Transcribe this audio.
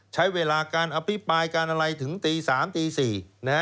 ใช้เวลาการอภิปรายการอะไรถึงตี๓ตี๔นะฮะ